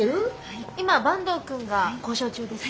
今坂東くんが交渉中です。